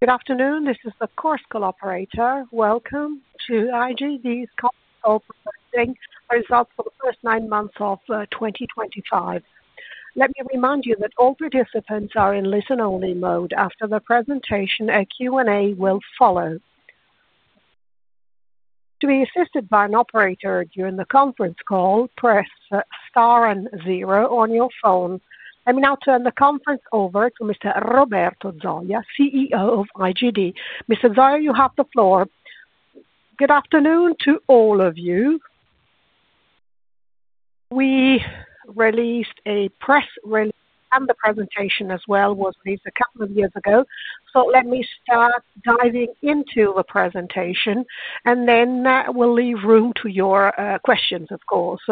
Good afternoon. This is the Chorus Call operator. Welcome to IGD's [COPS Open], presenting results for the first nine months of 2025. Let me remind you that all participants are in listen-only mode. After the presentation, a Q&A will follow. To be assisted by an operator during the conference call, press star and zero on your phone. Let me now turn the conference over to Mr. Roberto Zoia, CEO of IGD. Mr. Zoia, you have the floor. Good afternoon to all of you. We released a press release, and the presentation as well was released a couple of years ago. Let me start diving into the presentation, and then we'll leave room to your questions, of course.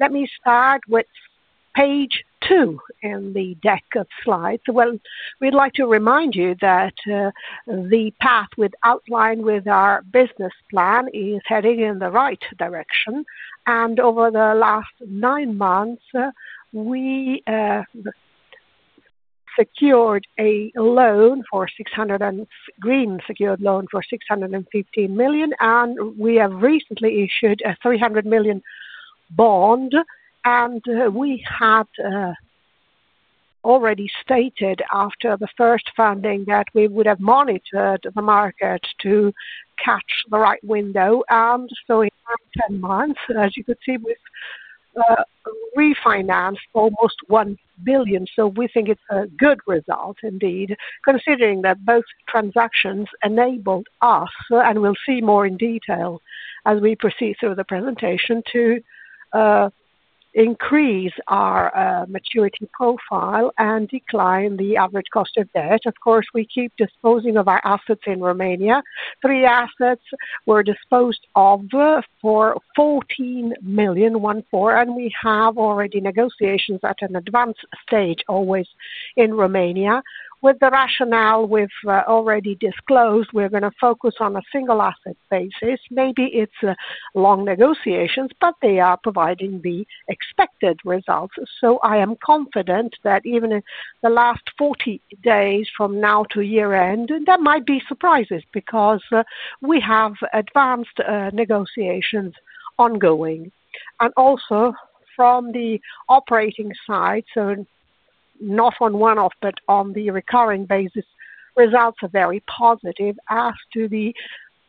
Let me start with page two in the deck of slides. We'd like to remind you that the path we've outlined with our business plan is heading in the right direction. Over the last nine months, we secured a loan for 600 million and a green secured loan for 615 million, and we have recently issued a 300 million bond. We had already stated after the first funding that we would have monitored the market to catch the right window. In 10 months, as you could see, we have refinanced almost 1 billion. We think it is a good result indeed, considering that both transactions enabled us, and we will see more in detail as we proceed through the presentation, to increase our maturity profile and decline the average cost of debt. Of course, we keep disposing of our assets in Romania. Three assets were disposed of for 14 million, one four, and we have already negotiations at an advanced stage always in Romania. With the rationale we have already disclosed, we are going to focus on a single asset basis. Maybe it's long negotiations, but they are providing the expected results. I am confident that even in the last 40 days from now to year end, there might be surprises because we have advanced negotiations ongoing. Also from the operating side, not on one-off, but on the recurring basis, results are very positive as to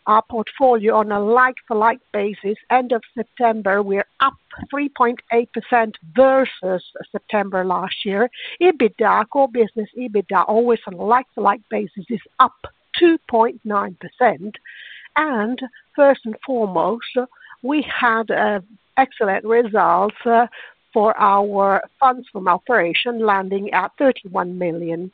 our portfolio on a like-for-like basis. End of September, we're up 3.8% versus September last year. EBITDA, core business EBITDA, always on a like-for-like basis, is up 2.9%. First and foremost, we had excellent results for our funds from operation, landing at 31 million.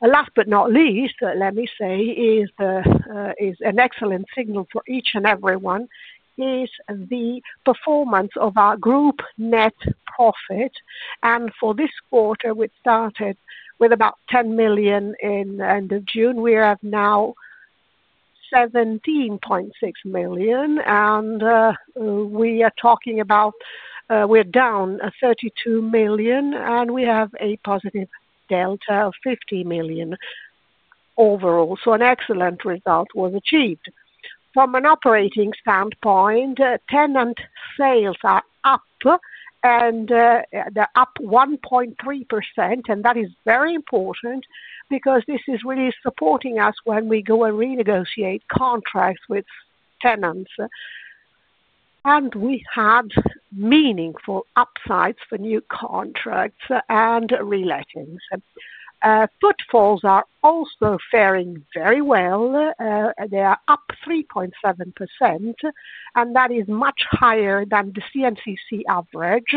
Last but not least, let me say, is an excellent signal for each and everyone, is the performance of our group net profit. For this quarter, we started with about 10 million in the end of June. We have now 17.6 million, and we are talking about we're down 32 million, and we have a positive delta of 50 million overall. An excellent result was achieved. From an operating standpoint, tenant sales are up, and they're up 1.3%, and that is very important because this is really supporting us when we go and renegotiate contracts with tenants. We had meaningful upsides for new contracts and relations. Footfalls are also faring very well. They are up 3.7%, and that is much higher than the CNCC average.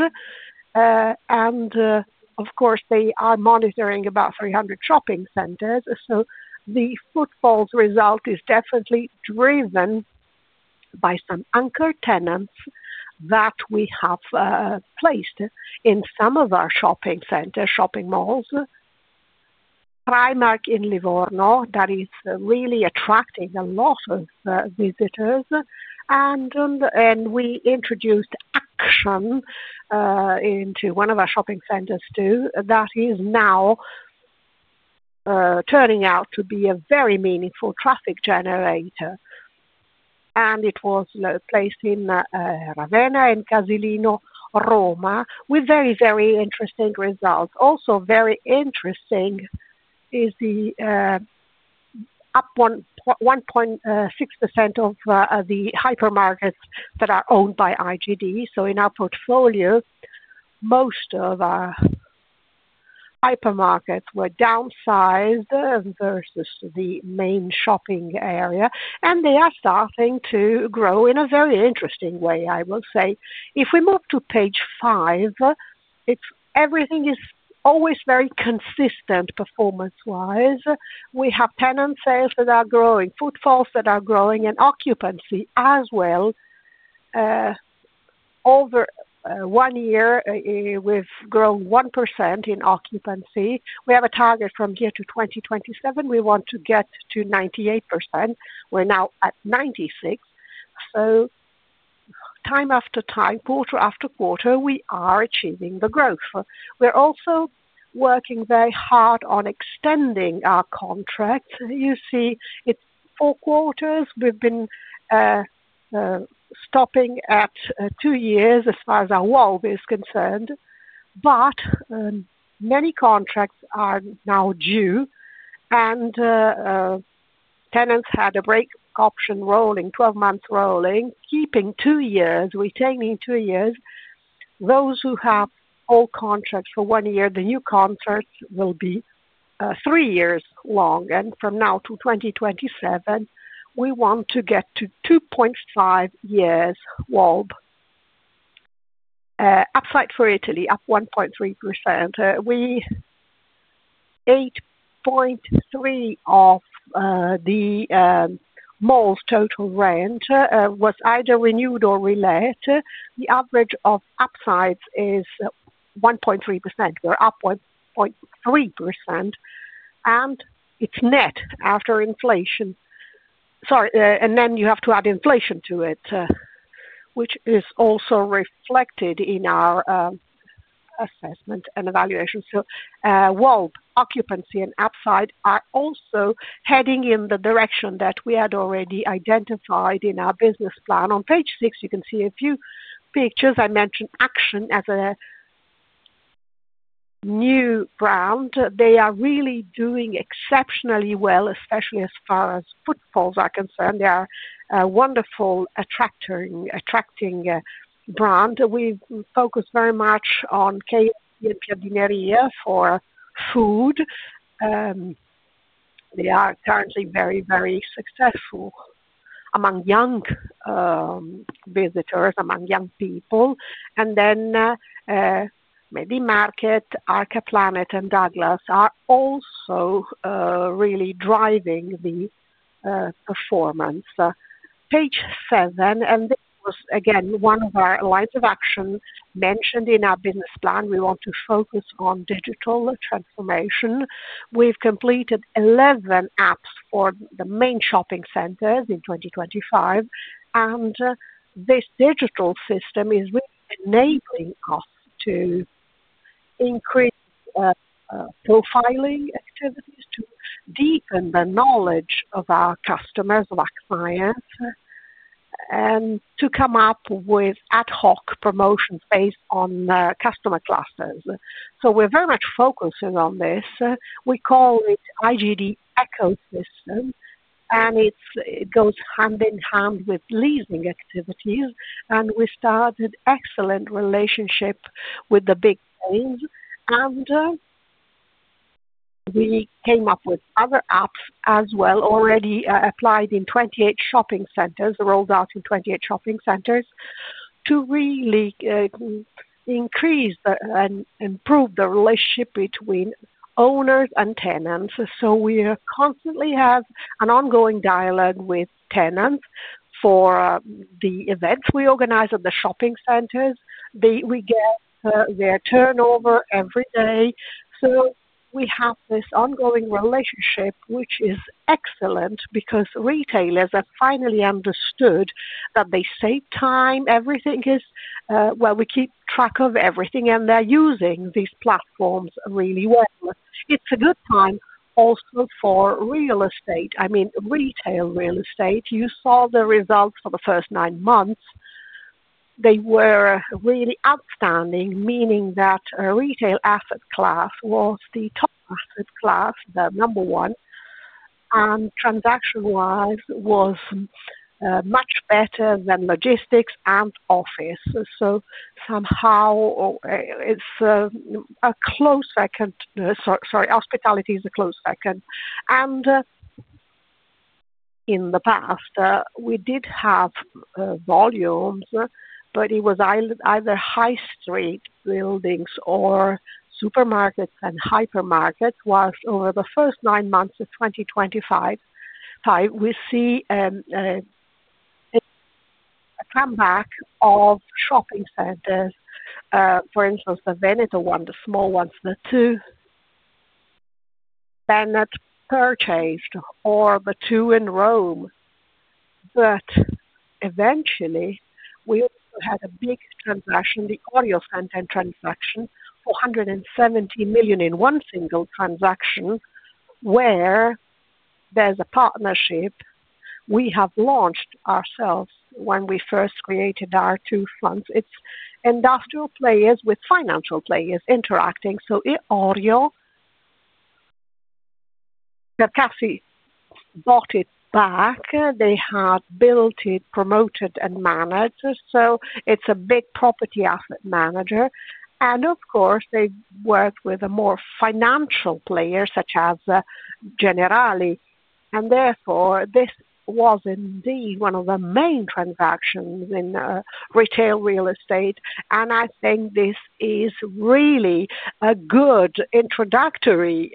They are monitoring about 300 shopping centers. The footfalls result is definitely driven by some anchor tenants that we have placed in some of our shopping centers, shopping malls. Primark in Livorno, that is really attracting a lot of visitors. We introduced Action into one of our shopping centers too, that is now turning out to be a very meaningful traffic generator. It was placed in Ravenna and Casilino, Rome, with very, very interesting results. Also very interesting is the up 1.6% of the hypermarkets that are owned by IGD. In our portfolio, most of our hypermarkets were downsized versus the main shopping area, and they are starting to grow in a very interesting way, I will say. If we move to page five, everything is always very consistent performance-wise. We have tenant sales that are growing, footfalls that are growing, and occupancy as well. Over one year, we've grown 1% in occupancy. We have a target from here to 2027. We want to get to 98%. We're now at 96%. Time after time, quarter after quarter, we are achieving the growth. We're also working very hard on extending our contracts. You see, it's four quarters. We've been stopping at two years as far as our WALB is concerned, but many contracts are now due, and tenants had a break option rolling, 12 months rolling, keeping two years, retaining two years. Those who have old contracts for one year, the new contracts will be three years long. And from now to 2027, we want to get to 2.5 years WALB. Upside for Italy, up 1.3%. We, 8.3% of the malls' total rent was either renewed or relent. The average of upsides is 1.3%. We're up 1.3%, and it's net after inflation. Sorry, and then you have to add inflation to it, which is also reflected in our assessment and evaluation. So WALB, occupancy, and upside are also heading in the direction that we had already identified in our business plan. On page six, you can see a few pictures. I mentioned Action as a new brand. They are really doing exceptionally well, especially as far as footfalls are concerned. They are a wonderful attracting brand. We focus very much on KFC and Piadineria for food. They are currently very, very successful among young visitors, among young people. Medi-Market, Arcaplanet, and Douglas are also really driving the performance. Page seven, and this was again one of our lines of action mentioned in our business plan. We want to focus on digital transformation. We've completed 11 apps for the main shopping centers in 2025, and this digital system is really enabling us to increase profiling activities, to deepen the knowledge of our customers, of our clients, and to come up with ad hoc promotions based on customer classes. We are very much focusing on this. We call it IGD Ecosystem, and it goes hand in hand with leasing activities. We started an excellent relationship with the big names, and we came up with other apps as well, already applied in 28 shopping centers, rolled out in 28 shopping centers, to really increase and improve the relationship between owners and tenants. We constantly have an ongoing dialogue with tenants for the events we organize at the shopping centers. We get their turnover every day. We have this ongoing relationship, which is excellent because retailers have finally understood that they save time. Everything is, well, we keep track of everything, and they're using these platforms really well. It's a good time also for real estate. I mean, retail real estate. You saw the results for the first nine months. They were really outstanding, meaning that retail asset class was the top asset class, the number one, and transaction-wise was much better than logistics and office. Somehow it's a close second. Sorry, hospitality is a close second. In the past, we did have volumes, but it was either high-street buildings or supermarkets and hypermarkets. Whilst over the first nine months of 2025, we see a comeback of shopping centers. For instance, the Veneto one, the small ones, the two Bennet purchased or the two in Rome. Eventually, we also had a big transaction, the Audio Center transaction, 470 million in one single transaction where there's a partnership we have launched ourselves when we first created our two funds. It's industrial players with financial players interacting. Audio Coppetti bought it back. They had built it, promoted and managed. It's a big property asset manager. Of course, they worked with a more financial player such as Generali. Therefore, this was indeed one of the main transactions in retail real estate. I think this is really a good introductory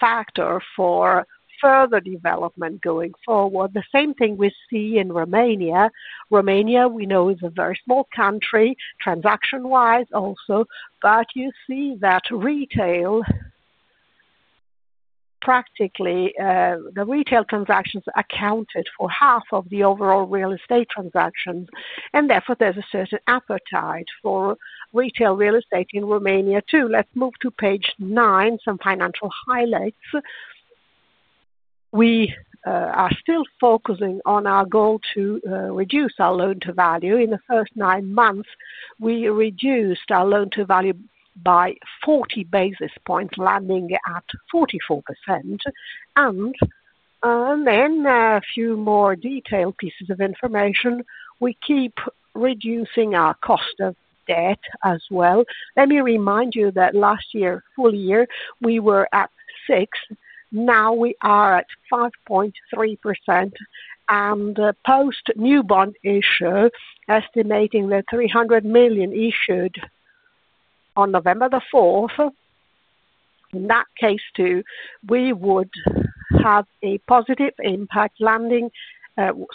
factor for further development going forward. The same thing we see in Romania. Romania, we know, is a very small country, transaction-wise also, but you see that retail, practically the retail transactions accounted for half of the overall real estate transactions. Therefore, there is a certain appetite for retail real estate in Romania too. Let's move to page nine, some financial highlights. We are still focusing on our goal to reduce our loan to value. In the first nine months, we reduced our loan to value by 40 basis points, landing at 44%. A few more detailed pieces of information. We keep reducing our cost of debt as well. Let me remind you that last year, full year, we were at 6%. Now we are at 5.3%. Post-new bond issue, estimating the 300 million issued on November the 4th, in that case too, we would have a positive impact landing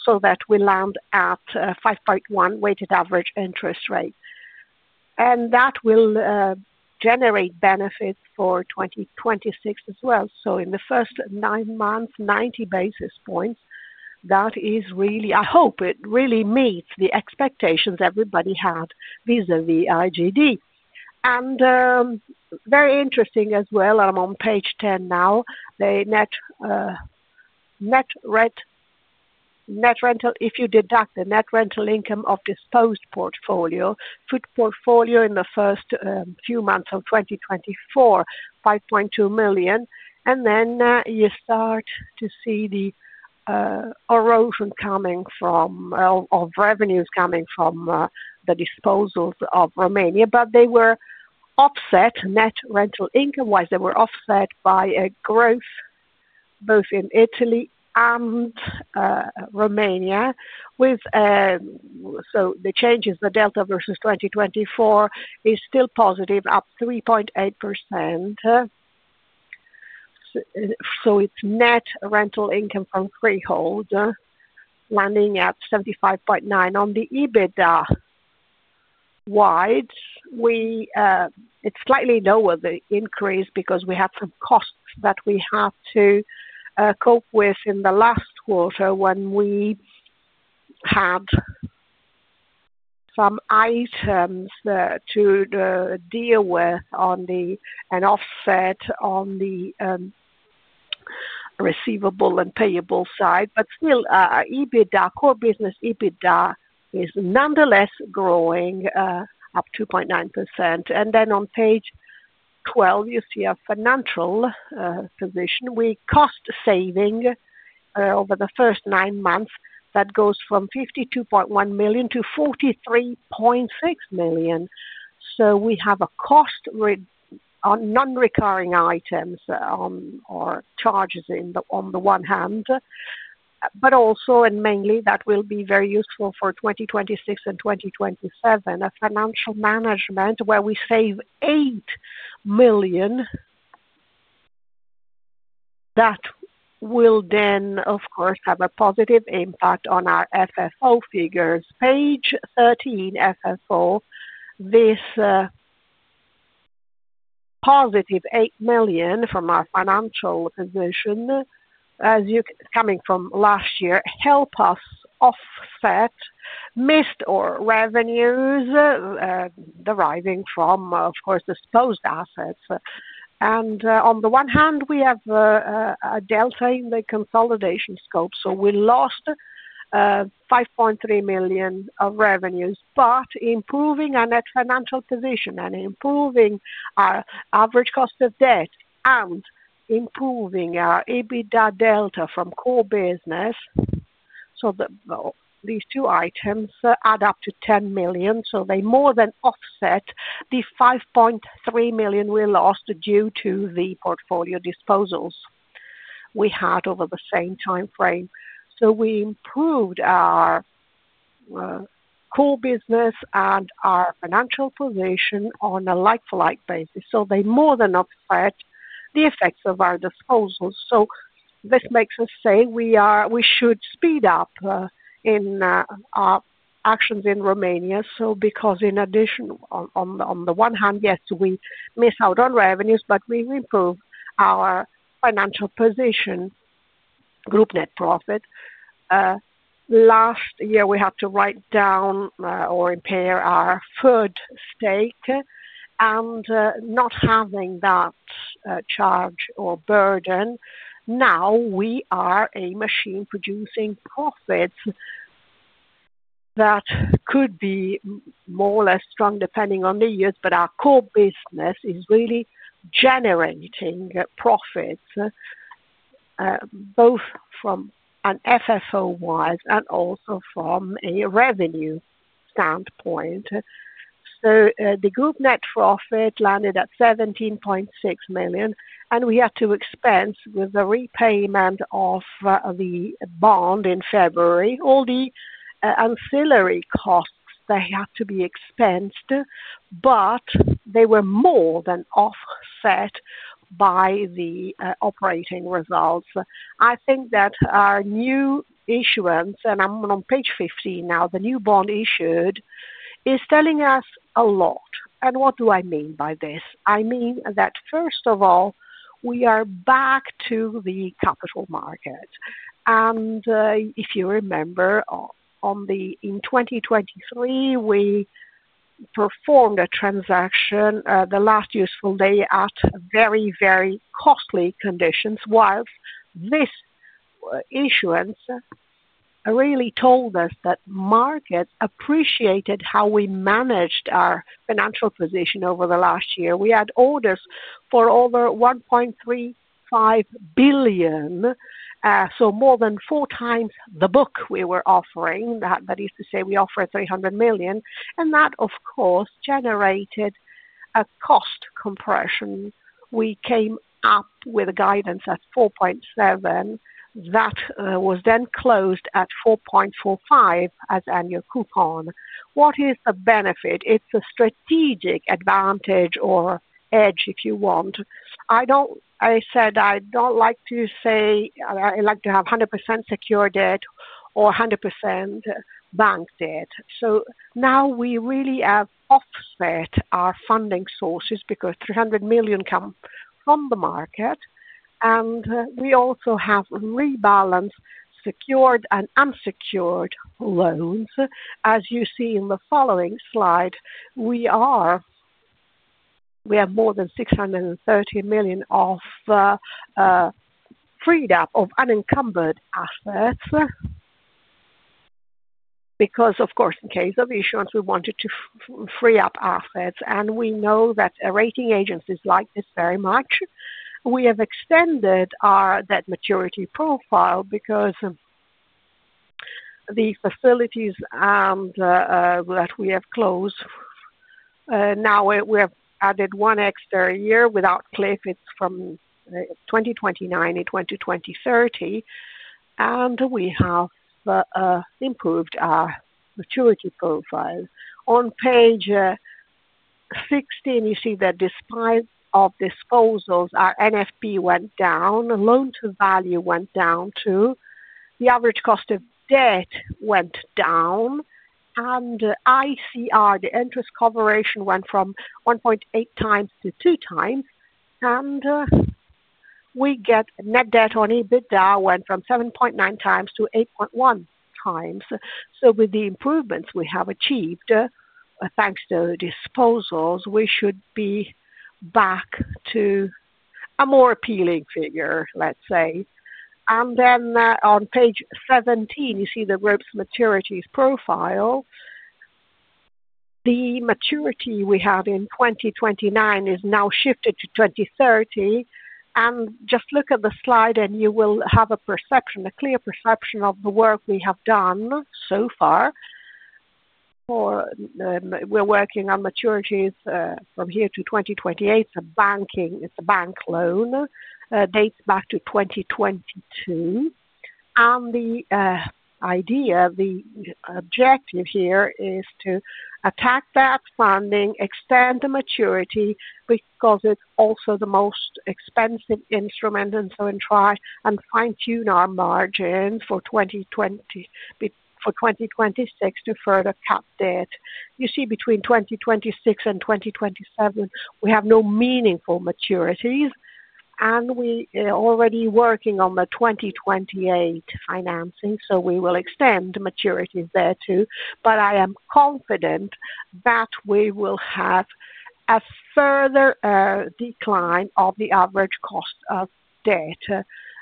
so that we land at 5.1% weighted average interest rate. That will generate benefits for 2026 as well. In the first nine months, 90 basis points, that is really, I hope it really meets the expectations everybody had vis-à-vis IGD. Very interesting as well, I'm on page 10 now. The net rental, if you deduct the net rental income of disposed portfolio, full portfolio in the first few months of 2024, 5.2 million. Then you start to see the erosion coming from revenues coming from the disposals of Romania. But they were offset, net rental income-wise, they were offset by a growth both in Italy and Romania. The changes, the delta versus 2024 is still positive, up 3.8%. It is net rental income from freehold landing at 75.9 million. On the EBITDA side, it is slightly lower, the increase, because we had some costs that we had to cope with in the last quarter when we had some items to deal with and offset on the receivable and payable side. Still, EBITDA, core business EBITDA is nonetheless growing, up 2.9%. On page 12, you see a financial position. We have cost saving over the first nine months that goes from 52.1 million to 43.6 million. We have a cost on non-recurring items or charges on the one hand, but also and mainly that will be very useful for 2026 and 2027. A financial management where we save 8 million that will then, of course, have a positive impact on our FFO figures. Page 13 FFO, this positive 8 million from our financial position, as you coming from last year, help us offset missed or revenues deriving from, of course, disposed assets. On the one hand, we have a delta in the consolidation scope. We lost 5.3 million of revenues, but improving our net financial position and improving our average cost of debt and improving our EBITDA delta from core business. These two items add up to 10 million. They more than offset the 5.3 million we lost due to the portfolio disposals we had over the same timeframe. We improved our core business and our financial position on a like-for-like basis. They more than offset the effects of our disposals. This makes us say we should speed up in our actions in Romania. Because in addition, on the one hand, yes, we miss out on revenues, but we have improved our financial position, group net profit. Last year, we had to write down or impair our third stake and not having that charge or burden. Now we are a machine producing profits that could be more or less strong depending on the years, but our core business is really generating profits both from an FFO-wise and also from a revenue standpoint. The group net profit landed at 17.6 million, and we had to expense with the repayment of the bond in February all the ancillary costs that had to be expensed, but they were more than offset by the operating results. I think that our new issuance, and I'm on page 15 now, the new bond issued is telling us a lot. What do I mean by this? I mean that first of all, we are back to the capital market. If you remember, in 2023, we performed a transaction the last useful day at very, very costly conditions, while this issuance really told us that market appreciated how we managed our financial position over the last year. We had orders for over 1.35 billion, so more than 4x the book we were offering. That is to say, we offered 300 million. That, of course, generated a cost compression. We came up with a guidance at 4.7% that was then closed at 4.45% as annual coupon. What is the benefit? It's a strategic advantage or edge, if you want. I said I don't like to say I like to have 100% secure debt or 100% bank debt. Now we really have offset our funding sources because 300 million come from the market. We also have rebalanced secured and unsecured loans. As you see in the following slide, we have more than 630 million of freed up unencumbered assets because, of course, in case of issuance, we wanted to free up assets. We know that rating agencies like this very much. We have extended our debt maturity profile because the facilities that we have closed now, we have added one extra year without cliff. It is from 2029 to 2030. We have improved our maturity profile. On page 16, you see that despite disposals, our NFP went down, loan to value went down too, the average cost of debt went down, and ICR, the interest coverage, went from 1.8x to 2x. We get net debt on EBITDA went from 7.9x to 8.1x. With the improvements we have achieved, thanks to disposals, we should be back to a more appealing figure, let's say. On page 17, you see the group's maturities profile. The maturity we have in 2029 is now shifted to 2030. Just look at the slide, and you will have a perception, a clear perception of the work we have done so far. We're working on maturities from here to 2028. It's a banking, it's a bank loan, dates back to 2022. The idea, the objective here is to attack that funding, extend the maturity because it is also the most expensive instrument. We try and fine-tune our margin for 2026 to further cut debt. You see between 2026 and 2027, we have no meaningful maturities. We are already working on the 2028 financing, so we will extend maturities there too. I am confident that we will have a further decline of the average cost of debt.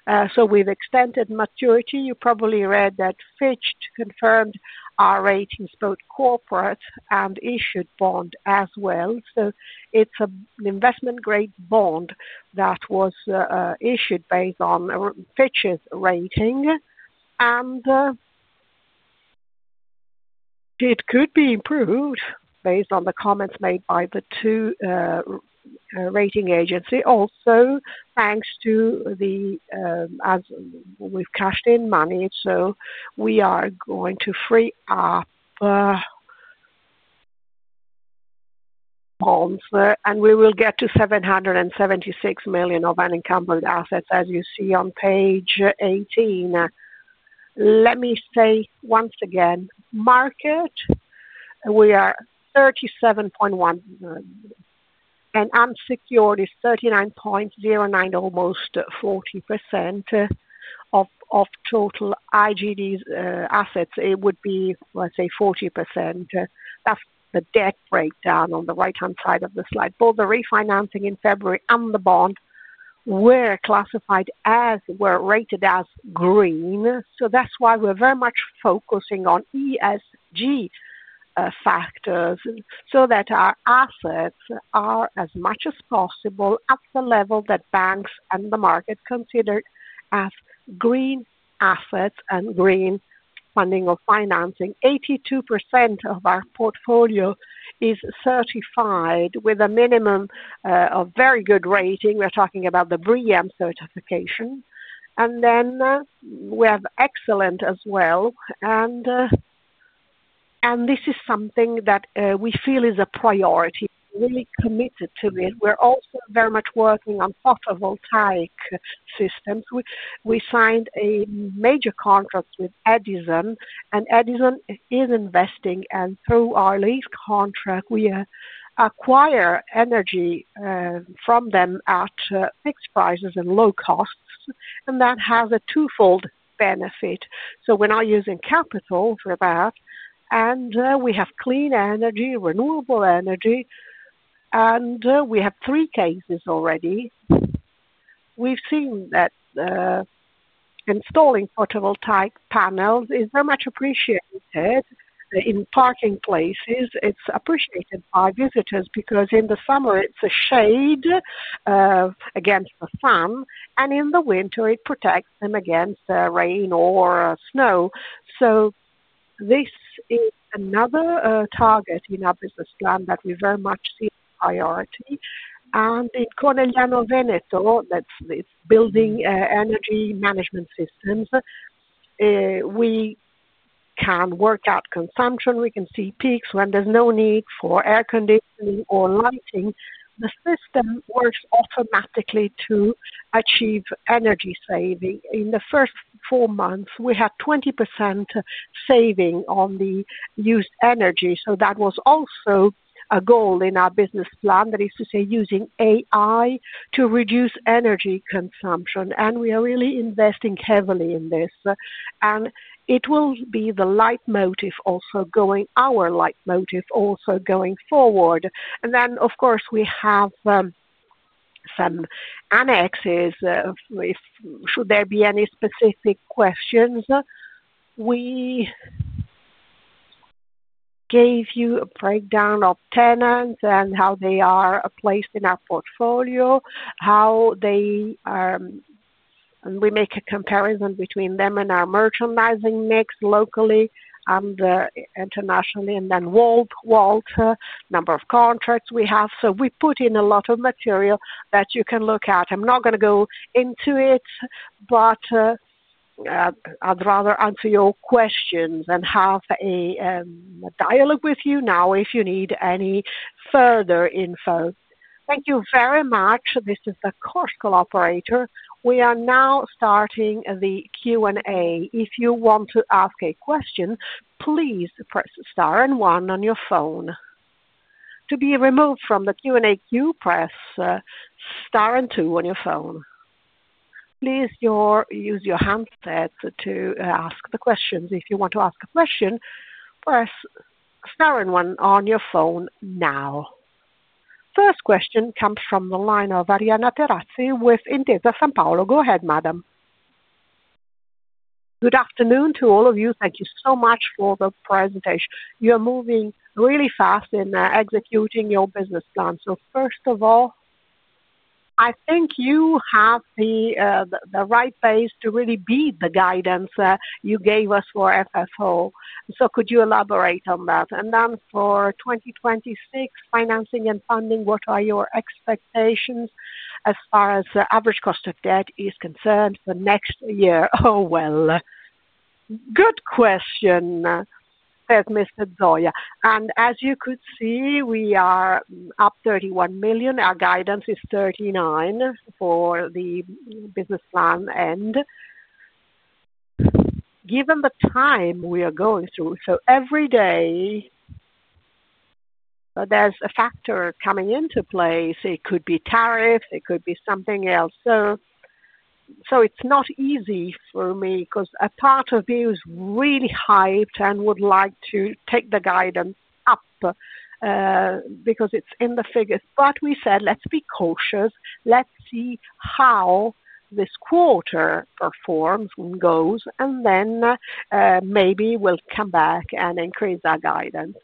We have extended maturity. You probably read that Fitch confirmed our ratings, both corporate and issued bond as well. It is an investment-grade bond that was issued based on Fitch's rating. It could be improved based on the comments made by the two rating agencies. Also, thanks to the, as we've cashed in money, we are going to free up bonds, and we will get to 776 million of unencumbered assets, as you see on page 18. Let me say once again, market, we are 37.1%. And unsecured is 39.09%, almost 40% of total IGD assets. It would be, let's say, 40%. That's the debt breakdown on the right-hand side of the slide. Both the refinancing in February and the bond were classified as, were rated as green. That is why we're very much focusing on ESG factors so that our assets are as much as possible at the level that banks and the market consider as green assets and green funding or financing. 82% of our portfolio is certified with a minimum of very good rating. We're talking about the BREEAM certification. Then we have excellent as well. This is something that we feel is a priority. We're really committed to it. We're also very much working on photovoltaic systems. We signed a major contract with Edison, and Edison is investing. Through our lease contract, we acquire energy from them at fixed prices and low costs. That has a twofold benefit. We're not using capital for that, and we have clean energy, renewable energy. We have three cases already. We've seen that installing photovoltaic panels is very much appreciated in parking places. It's appreciated by visitors because in the summer, it's a shade against the sun, and in the winter, it protects them against rain or snow. This is another target in our business plan that we very much see as a priority. In Conegliano Veneto, that's building energy management systems, we can work out consumption. We can see peaks when there's no need for air conditioning or lighting. The system works automatically to achieve energy saving. In the first four months, we had 20% saving on the used energy. That was also a goal in our business plan, that is to say using AI to reduce energy consumption. We are really investing heavily in this. It will be the leitmotif, our leitmotif, also going forward. Of course, we have some annexes. Should there be any specific questions, we gave you a breakdown of tenants and how they are placed in our portfolio, how they are, and we make a comparison between them and our merchandising mix locally and internationally, and then WALB, number of contracts we have. We put in a lot of material that you can look at. I'm not going to go into it, but I'd rather answer your questions and have a dialogue with you now if you need any further info. Thank you very much. This is the Chorus Call operator. We are now starting the Q&A. If you want to ask a question, please press star and one on your phone. To be removed from the Q&A, you press star and two on your phone. Please use your handset to ask the questions. If you want to ask a question, press star and one on your phone now. First question comes from the line of Arianna Terazzi with Intesa Sanpaolo. Go ahead, madam. Good afternoon to all of you. Thank you so much for the presentation. You are moving really fast in executing your business plan. First of all, I think you have the right base to really be the guidance you gave us for FFO. Could you elaborate on that? For 2026, financing and funding, what are your expectations as far as average cost of debt is concerned for next year? Good question, says Mr. Zoia. As you could see, we are up 31 million. Our guidance is 39 million for the business plan. Given the time we are going through, every day, there's a factor coming into place. It could be tariffs. It could be something else. It's not easy for me because a part of me was really hyped and would like to take the guidance up because it's in the figures. We said, let's be cautious. Let's see how this quarter performs and goes, and then maybe we'll come back and increase our guidance.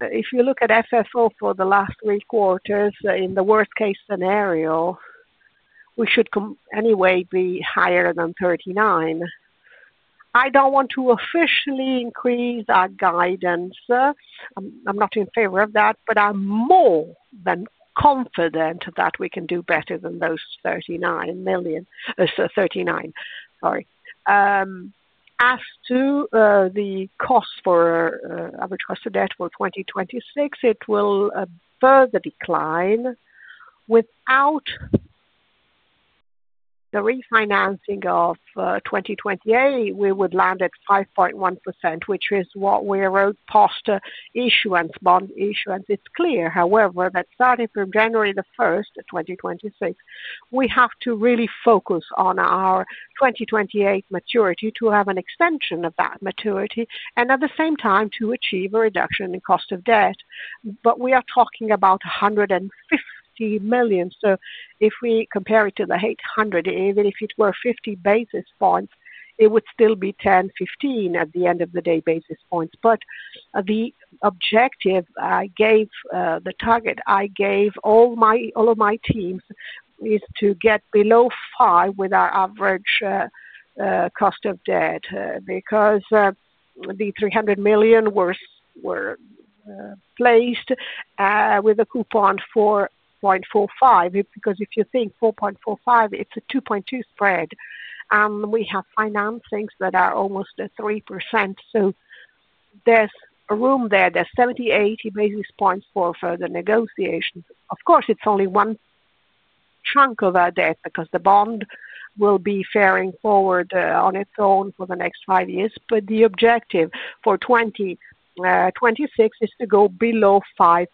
If you look at FFO for the last three quarters, in the worst-case scenario, we should anyway be higher than 39 million. I don't want to officially increase our guidance. I'm not in favor of that, but I'm more than confident that we can do better than those 39 million. Sorry. As to the average cost of debt for 2026, it will further decline. Without the refinancing of 2028, we would land at 5.1%, which is what we wrote post-issuance, bond issuance. It's clear, however, that starting from January 1st, 2026, we have to really focus on our 2028 maturity to have an extension of that maturity and at the same time to achieve a reduction in cost of debt. We are talking about 150 million. If we compare it to the 800, even if it were 50 basis points, it would still be 10-15 at the end of the day basis points. The objective I gave, the target I gave all of my teams is to get below 5% with our average cost of debt because the 300 million were placed with a coupon 4.45%. If you think 4.45%, it is a 2.2 spread. We have financings that are almost 3%. There is room there. There are 78 basis points for further negotiation. Of course, it is only one chunk of our debt because the bond will be faring forward on its own for the next five years. The objective for 2026 is to go below 5%.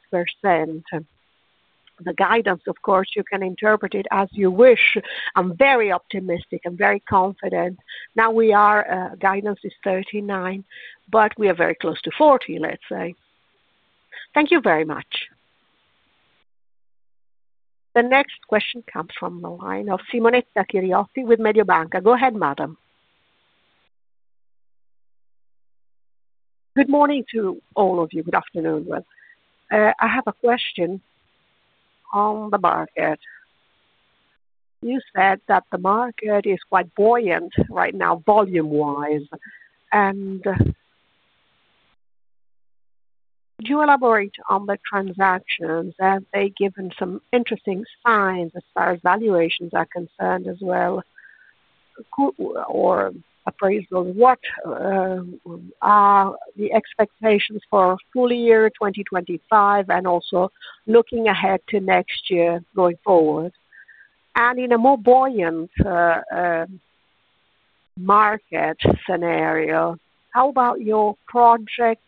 The guidance, of course, you can interpret it as you wish. I am very optimistic. I am very confident. Now our guidance is 39, but we are very close to 40, let's say. Thank you very much. The next question comes from the line of Simonetta Ciriotti with Mediobanca. Go ahead, madam. Good morning to all of you. Good afternoon. I have a question on the market. You said that the market is quite buoyant right now, volume-wise. Could you elaborate on the transactions? Have they given some interesting signs as far as valuations are concerned as well? Or appraisals, what are the expectations for full year 2025 and also looking ahead to next year going forward? In a more buoyant market scenario, how about your project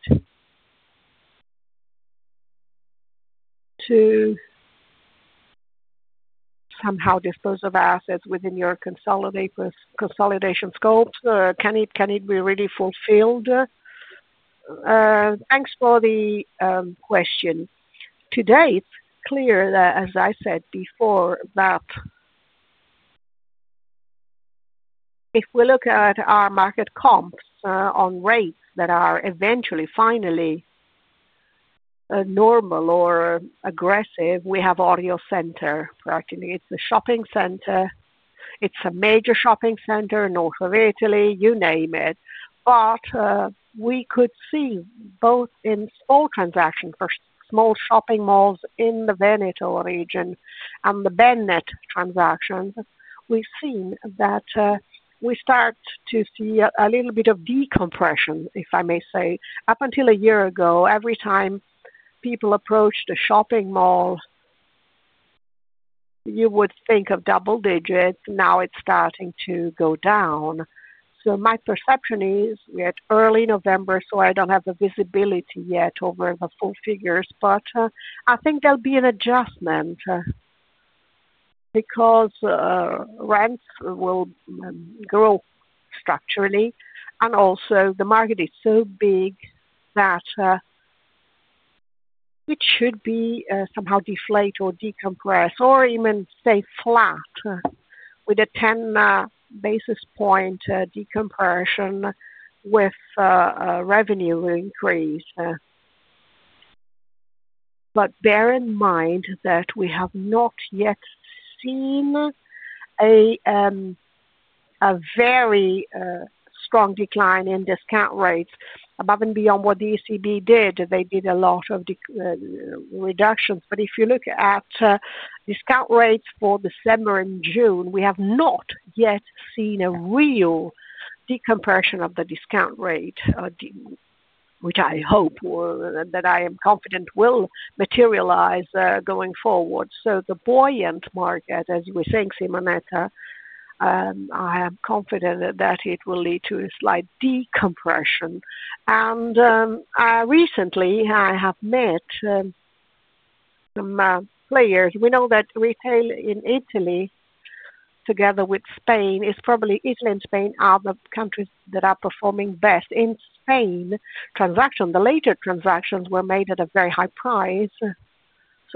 to somehow dispose of assets within your consolidation scope? Can it be really fulfilled? Thanks for the question. To date, clear that, as I said before, that if we look at our market comps on rates that are eventually, finally normal or aggressive, we have Audio Center, perhaps. It's a shopping center. It's a major shopping center in north of Italy, you name it. We could see both in small transactions for small shopping malls in the Veneto region and the Bennet transactions. We've seen that we start to see a little bit of decompression, if I may say. Up until a year ago, every time people approached a shopping mall, you would think of double digits. Now it's starting to go down. My perception is we're at early November, so I don't have the visibility yet over the full figures. I think there'll be an adjustment because rents will grow structurally. Also, the market is so big that it should be somehow deflate or decompress or even stay flat with a 10 basis point decompression with revenue increase. Bear in mind that we have not yet seen a very strong decline in discount rates. Above and beyond what the ECB did, they did a lot of reductions. If you look at discount rates for December and June, we have not yet seen a real decompression of the discount rate, which I hope and I am confident will materialize going forward. The buoyant market, as you were saying, Simonetta, I am confident that it will lead to a slight decompression. Recently, I have met some players. We know that retail in Italy, together with Spain, is probably Italy and Spain are the countries that are performing best. In Spain, transactions, the later transactions were made at a very high price.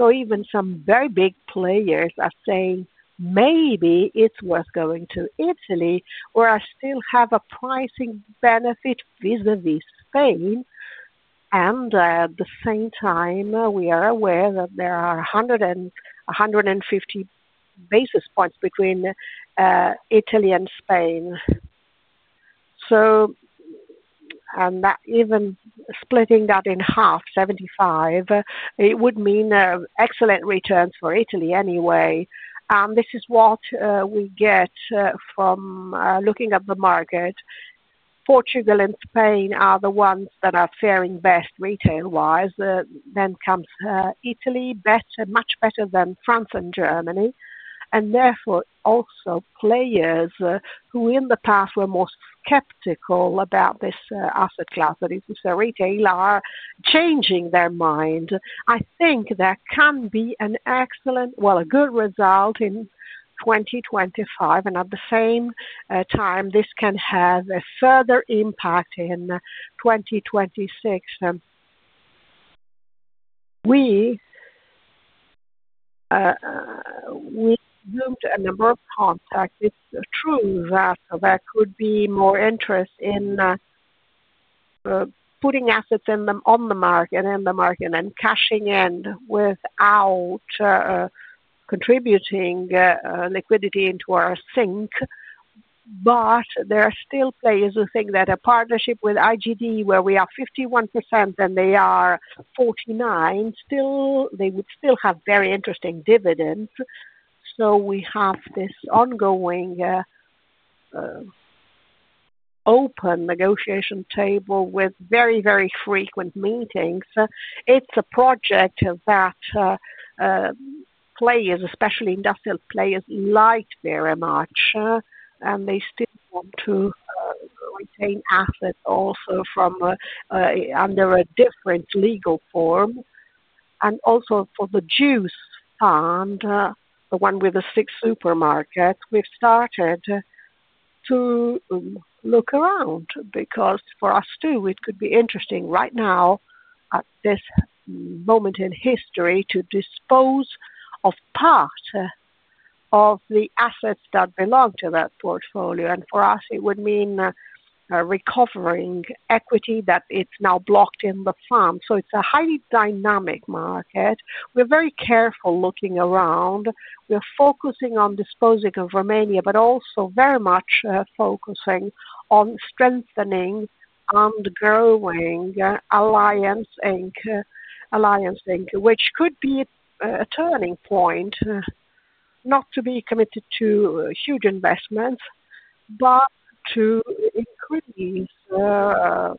Even some very big players are saying maybe it's worth going to Italy where I still have a pricing benefit vis-à-vis Spain. At the same time, we are aware that there are 150 basis points between Italy and Spain. Even splitting that in half, 75, it would mean excellent returns for Italy anyway. This is what we get from looking at the market. Portugal and Spain are the ones that are faring best retail-wise. Then comes Italy, much better than France and Germany. Therefore, also players who in the past were more skeptical about this asset class, that is to say retail, are changing their mind. I think there can be an excellent, well, a good result in 2025. At the same time, this can have a further impact in 2026. We zoomed a number of contacts. It's true that there could be more interest in putting assets on the market and cashing in without contributing liquidity into our sink. There are still players who think that a partnership with IGD, where we are 51% and they are 49%, would still have very interesting dividends. We have this ongoing open negotiation table with very, very frequent meetings. It's a project that players, especially industrial players, like very much. They still want to retain assets also under a different legal form. Also for the Juice Fund, the one with the six supermarkets, we've started to look around because for us too, it could be interesting right now at this moment in history to dispose of part of the assets that belong to that portfolio. For us, it would mean recovering equity that is now blocked in the fund. It is a highly dynamic market. We are very careful looking around. We are focusing on disposing of Romania, but also very much focusing on strengthening and growing Alliance SIINQ, which could be a turning point not to be committed to huge investments, but to increase to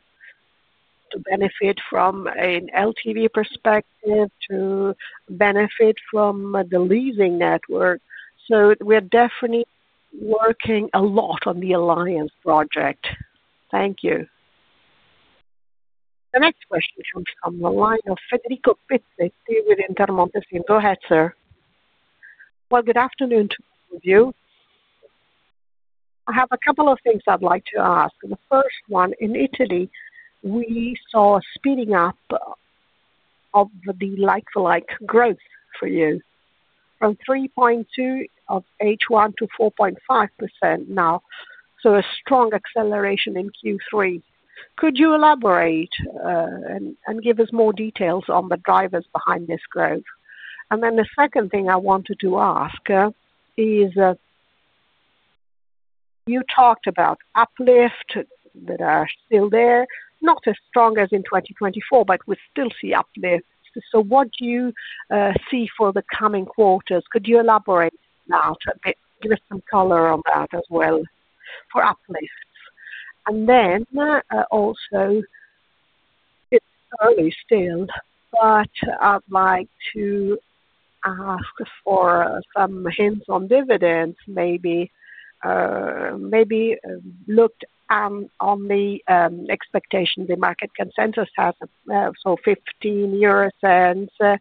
benefit from an LTV perspective, to benefit from the leasing network. We are definitely working a lot on the Alliance project. Thank you. The next question comes from the line of Federico Pezzetti with Intermonte. Go ahead, sir. Good afternoon to all of you. I have a couple of things I would like to ask. The first one, in Italy, we saw a speeding up of the like-for-like growth for you from 3.2% of H1 to 4.5% now. A strong acceleration in Q3. Could you elaborate and give us more details on the drivers behind this growth? The second thing I wanted to ask is you talked about uplift that are still there, not as strong as in 2024, but we still see uplift. What do you see for the coming quarters? Could you elaborate on that? Give us some color on that as well for uplifts. Also, it's early still, but I'd like to ask for some hints on dividends, maybe looked on the expectations the market consensus has. 0.15.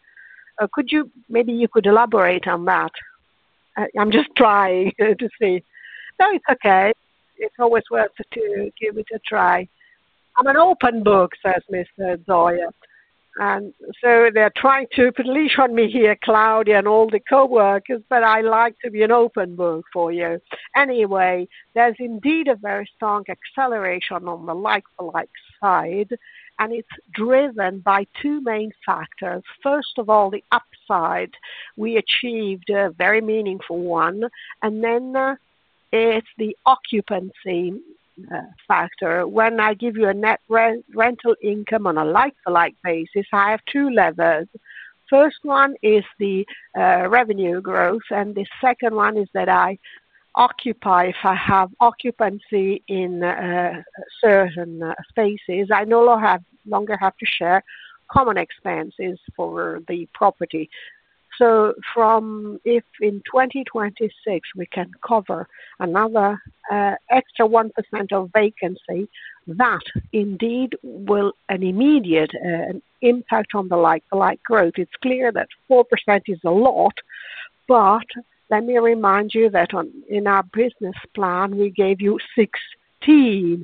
Maybe you could elaborate on that. I'm just trying to see. No, it's okay. It's always worth it to give it a try. I'm an open book, says Mr. Zoia. They're trying to please on me here, Claudia and all the coworkers, but I like to be an open book for you. Anyway, there's indeed a very strong acceleration on the like-for-like side, and it's driven by two main factors. First of all, the upside. We achieved a very meaningful one. And then it's the occupancy factor. When I give you a net rental income on a like-for-like basis, I have two levers. First one is the revenue growth, and the second one is that I occupy if I have occupancy in certain spaces. I no longer have to share common expenses for the property. If in 2026 we can cover another extra 1% of vacancy, that indeed will have an immediate impact on the like-for-like growth. It's clear that 4% is a lot, but let me remind you that in our business plan, we gave you 16%.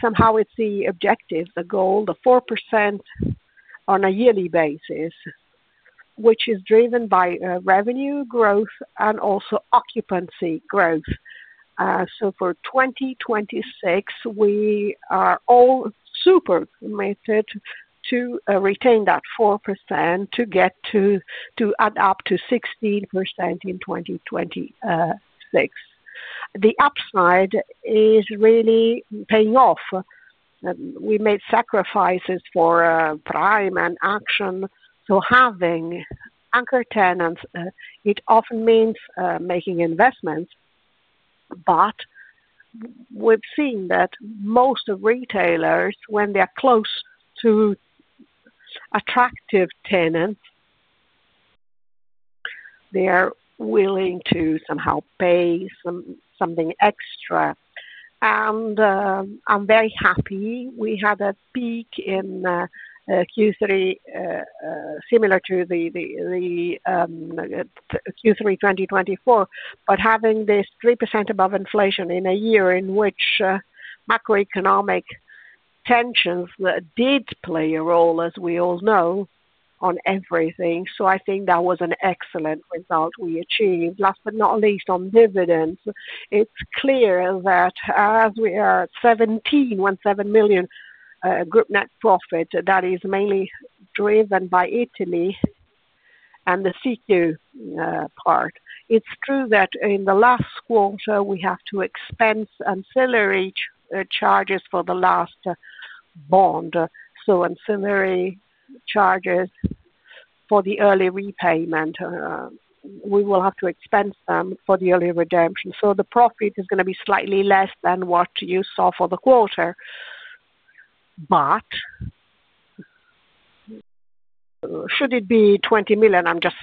Somehow it's the objective, the goal, the 4% on a yearly basis, which is driven by revenue growth and also occupancy growth. For 2026, we are all super committed to retain that 4% to add up to 16% in 2026. The upside is really paying off. We made sacrifices for Primark and Action. Having anchor tenants, it often means making investments. We've seen that most retailers, when they're close to attractive tenants, are willing to somehow pay something extra. I'm very happy we had a peak in Q3, similar to Q3 2024, but having this 3% above inflation in a year in which macroeconomic tensions did play a role, as we all know, on everything. I think that was an excellent result we achieved. Last but not least, on dividends, it's clear that as we are at 17.7 million group net profit, that is mainly driven by Italy and the SIIQ part. It's true that in the last quarter, we have to expense ancillary charges for the last bond. Ancillary charges for the early repayment, we will have to expense them for the early redemption. The profit is going to be slightly less than what you saw for the quarter. Should it be 20 million? I'm just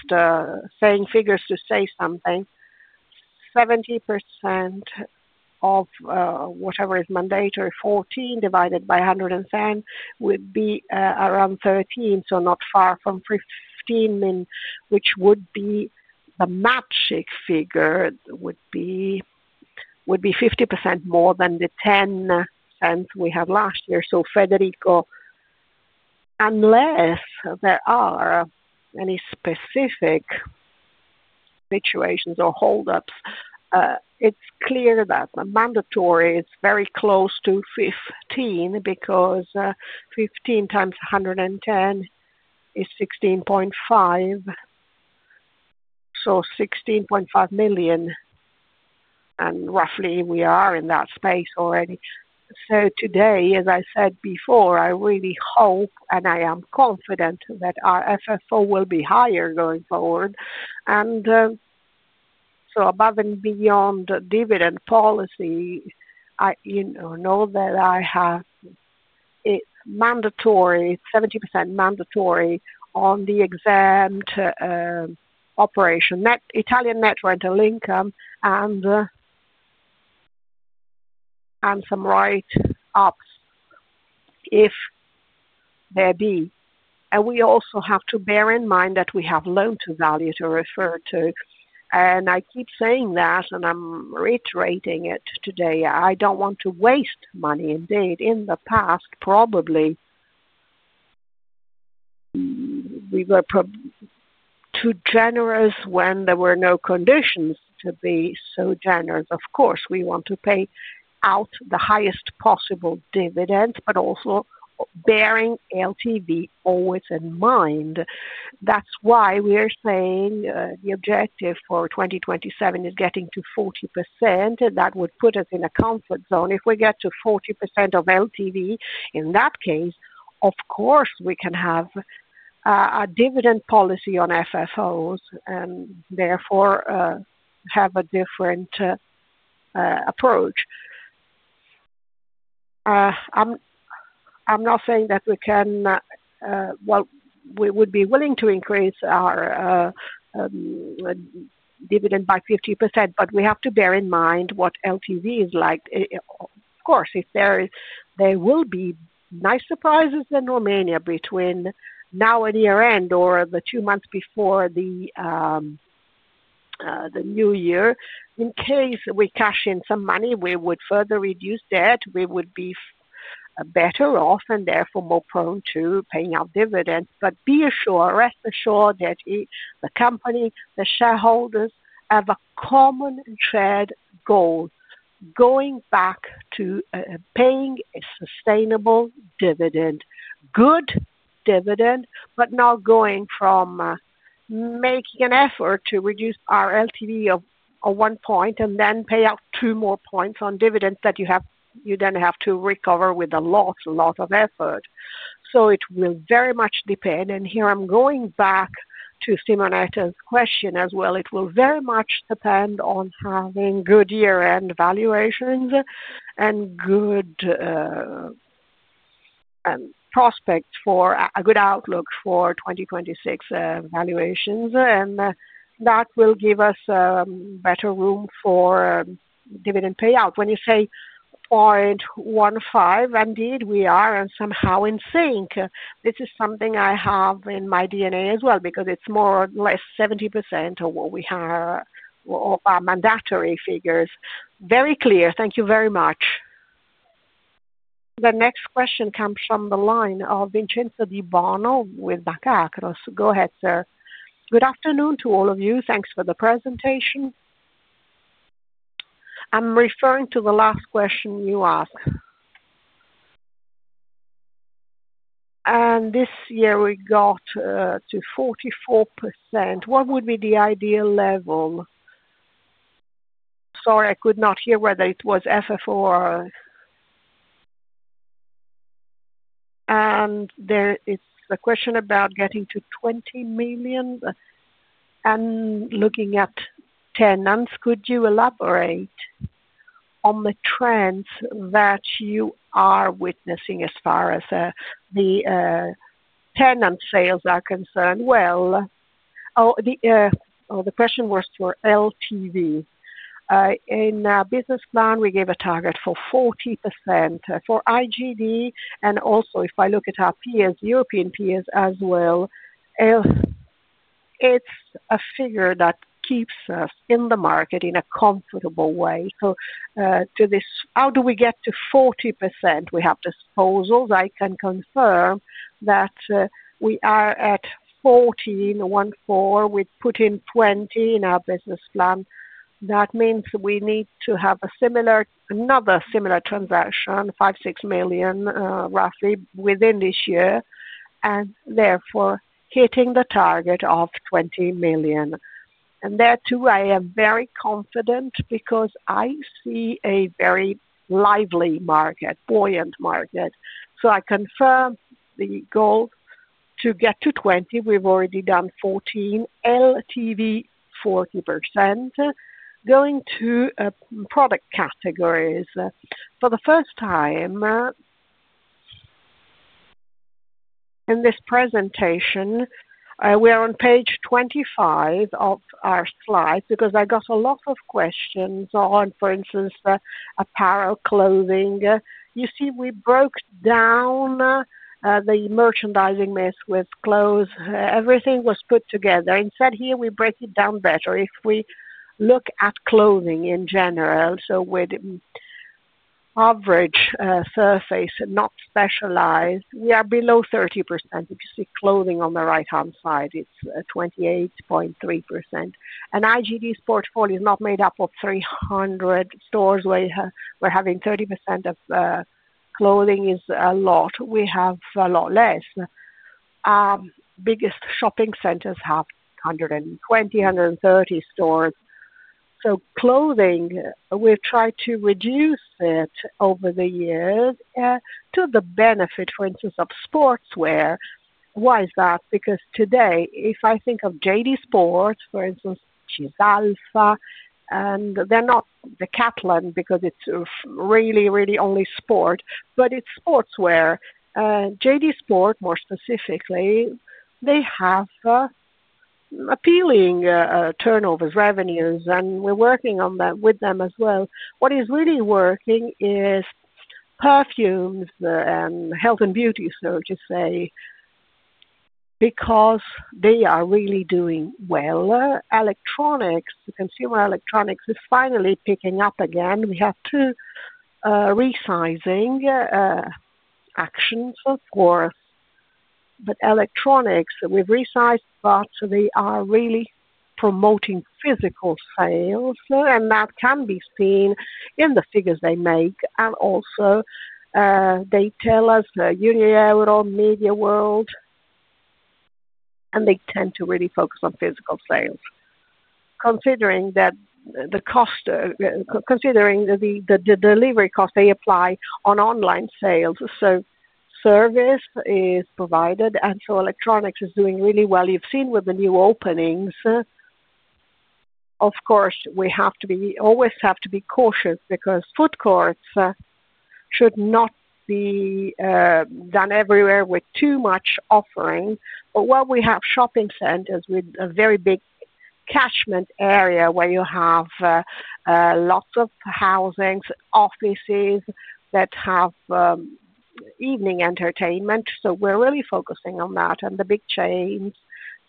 saying figures to say something. 70% of whatever is mandatory, 14 divided by 110 would be around 13, so not far from 15, which would be the magic figure, would be 50% more than the 0.10 we had last year. Federico, unless there are any specific situations or holdups, it's clear that the mandatory is very close to 15 because 15 times 110 is 16.5. 16.5 million. Roughly, we are in that space already. As I said before, I really hope and I am confident that our FFO will be higher going forward. Above and beyond dividend policy, I know that I have 70% mandatory on the exempt operation, Italian net rental income, and some write-ups if there be. We also have to bear in mind that we have loan-to-value to refer to. I keep saying that, and I'm reiterating it today. I don't want to waste money. Indeed, in the past, probably we were too generous when there were no conditions to be so generous. Of course, we want to pay out the highest possible dividends, but also bearing LTV always in mind. That's why we're saying the objective for 2027 is getting to 40%. That would put us in a comfort zone. If we get to 40% of LTV, in that case, of course, we can have a dividend policy on FFOs and therefore have a different approach. I'm not saying that we can, well, we would be willing to increase our dividend by 50%, but we have to bear in mind what LTV is like. Of course, there will be nice surprises in Romania between now and year-end or the two months before the new year. In case we cash in some money, we would further reduce debt. We would be better off and therefore more prone to paying out dividends. Rest assured that the company, the shareholders have a common shared goal: going back to paying a sustainable dividend, good dividend, but not going from making an effort to reduce our LTV of one percentage point and then pay out two more percentage points on dividends that you then have to recover with a lot, lot of effort. It will very much depend. Here I am going back to Simonetta's question as well. It will very much depend on having good year-end valuations and good prospects for a good outlook for 2026 valuations. That will give us better room for dividend payout. When you say 0.15, indeed, we are somehow in sync. This is something I have in my DNA as well because it is more or less 70% of what we have of our mandatory figures. Very clear. Thank you very much. The next question comes from the line of Vincenzo Di Buono with Banca Akros. Go ahead, sir. Good afternoon to all of you. Thanks for the presentation. I'm referring to the last question you asked. And this year we got to 44%. What would be the ideal level? Sorry, I could not hear whether it was FFO or. There is a question about getting to 20 million and looking at tenants. Could you elaborate on the trends that you are witnessing as far as the tenant sales are concerned? The question was for LTV. In our business plan, we gave a target for 40% for IGD. Also, if I look at our peers, European peers as well, it's a figure that keeps us in the market in a comfortable way. To this, how do we get to 40%? We have disposals. I can confirm that we are at 40% in Q1. We put in 20 in our business plan. That means we need to have another similar transaction, 5 million-6 million, roughly within this year, and therefore hitting the target of 20 million. There too, I am very confident because I see a very lively market, buoyant market. I confirm the goal to get to 20. We've already done 14, LTV 40%. Going to product categories. For the first time in this presentation, we are on page 25 of our slides because I got a lot of questions on, for instance, apparel clothing. You see, we broke down the merchandising mess with clothes. Everything was put together. Instead, here we break it down better. If we look at clothing in general, so with average surface, not specialized, we are below 30%. If you see clothing on the right-hand side, it's 28.3%. IGD's portfolio is not made up of 300 stores where we're having 30% of clothing is a lot. We have a lot less. Biggest shopping centers have 120-130 stores. Clothing, we've tried to reduce it over the years to the benefit, for instance, of sportswear. Why is that? Because today, if I think of JD Sports, for instance, Cisalfa, and they're not the [Kathleen] because it's really, really only sport, but it's sportswear. JD Sports, more specifically, they have appealing turnovers, revenues, and we're working with them as well. What is really working is perfumes and health and beauty services because they are really doing well. Electronics, consumer electronics is finally picking up again. We have two resizing actions, of course. Electronics, we've resized parts. They are really promoting physical sales, and that can be seen in the figures they make. They also tell us, "You know your own media world," and they tend to really focus on physical sales, considering the delivery cost they apply on online sales. Service is provided, and electronics is doing really well. You've seen with the new openings. Of course, we always have to be cautious because food courts should not be done everywhere with too much offering. While we have shopping centers with a very big catchment area where you have lots of housing, offices that have evening entertainment, we're really focusing on that. The big chains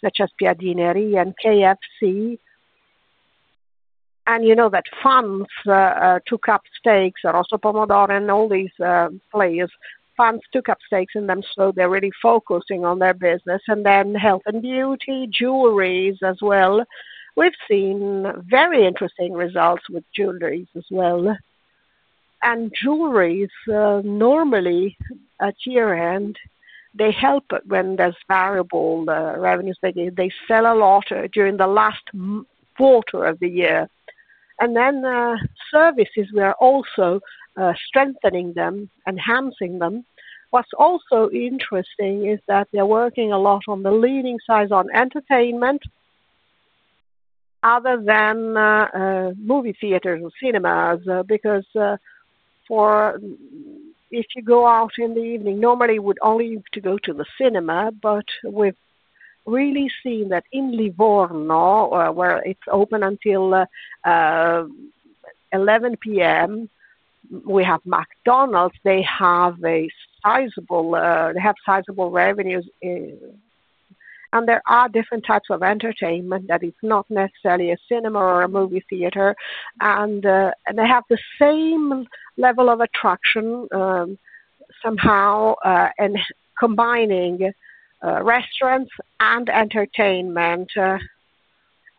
such as Piadineria and KFC, and you know that [Fund], [Two Cups Steaks], and also Pomodoro and all these players, [Fund], [Two Cups Steaks], and them. They are really focusing on their business. And then health and beauty, jewelries as well. We have seen very interesting results with jewelries as well. And jewelries, normally at year-end, they help when there are variable revenues. They sell a lot during the last quarter of the year. And then services, we are also strengthening them, enhancing them. What is also interesting is that they are working a lot on the leading size on entertainment other than movie theaters and cinemas because if you go out in the evening, normally you would only need to go to the cinema. We have really seen that in Livorno, where it is open until 11:00 P.M., we have McDonald's. They have sizable revenues. And there are different types of entertainment that are not necessarily a cinema or a movie theater. They have the same level of attraction somehow in combining restaurants and entertainment.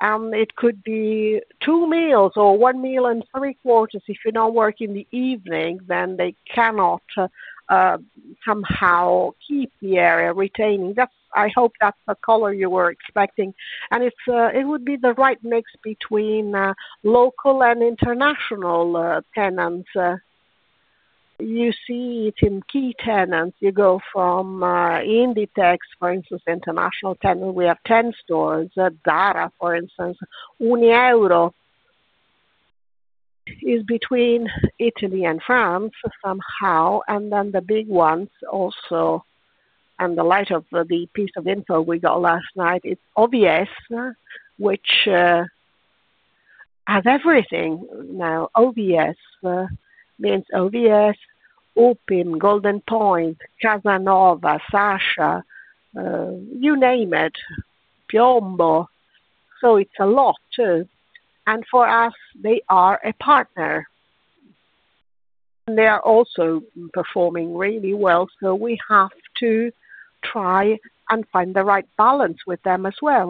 It could be two meals or one meal and three quarters. If you're not working the evening, then they cannot somehow keep the area retaining. I hope that's the color you were expecting. It would be the right mix between local and international tenants. You see it in key tenants. You go from Inditex, for instance, international tenant. We have 10 stores. Zara, for instance, Unieuro is between Italy and France somehow. The big ones also, and in light of the piece of info we got last night, it's OVS, which has everything. Now, OVS means OVS, Open, Goldenpoint, Kasanova, Sasha, you name it, Piombo. So it's a lot too. For us, they are a partner. They are also performing really well. We have to try and find the right balance with them as well.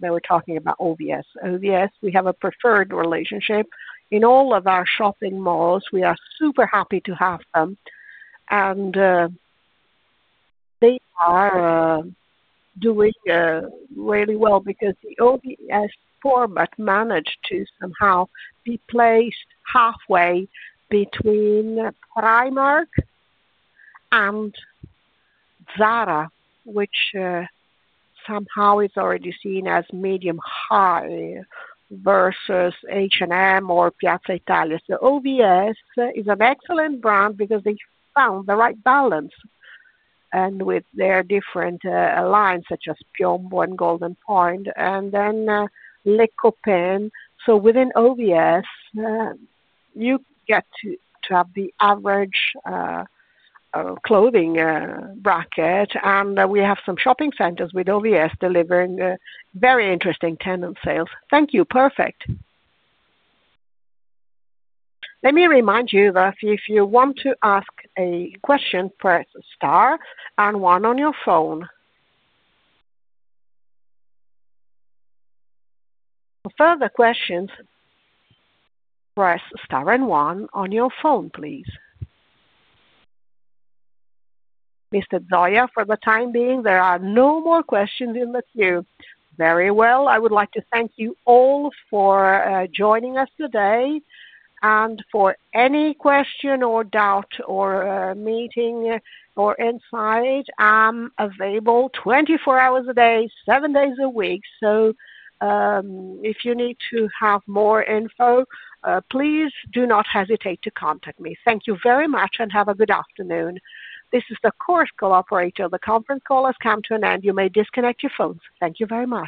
They were talking about OVS. OVS, we have a preferred relationship. In all of our shopping malls, we are super happy to have them. They are doing really well because the OVS format managed to somehow be placed halfway between Primark and Zara, which somehow is already seen as medium-high versus H&M or Piazza Italia. OVS is an excellent brand because they found the right balance. With their different lines such as Piombo and Goldenpoint and then Les Copains. Within OVS, you get to have the average clothing bracket. We have some shopping centers with OVS delivering very interesting tenant sales. Thank you. Perfect. Let me remind you that if you want to ask a question, press star and one on your phone. For further questions, press star and one on your phone, please. Mr. Zoia, for the time being, there are no more questions in the queue. Very well. I would like to thank you all for joining us today. For any question or doubt or meeting or insight, I'm available 24 hours a day, seven days a week. If you need to have more info, please do not hesitate to contact me. Thank you very much and have a good afternoon. This is the course cooperator. The conference call has come to an end. You may disconnect your phones. Thank you very much.